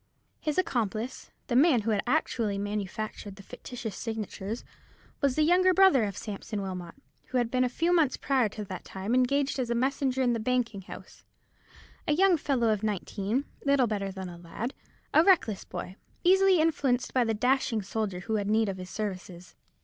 His accomplice, the man who had actually manufactured the fictitious signatures, was the younger brother of Sampson Wilmot, who had been a few months prior to that time engaged as messenger in the banking house—a young fellow of nineteen, little better than a lad; a reckless boy, easily influenced by the dashing soldier who had need of his services.